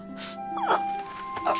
あっ。